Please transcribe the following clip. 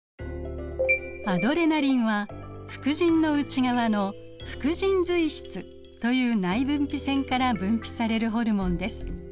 アドレナリンは副腎の内側の副腎髄質という内分泌腺から分泌されるホルモンです。